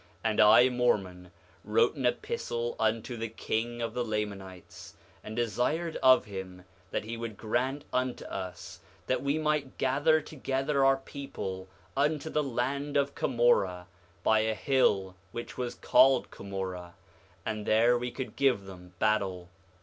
6:2 And I, Mormon, wrote an epistle unto the king of the Lamanites, and desired of him that he would grant unto us that we might gather together our people unto the land of Cumorah, by a hill which was called Cumorah, and there we could give them battle.